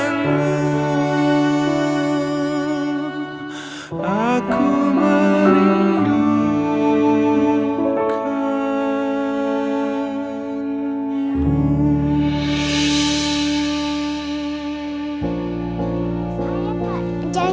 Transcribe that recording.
om baik lepasin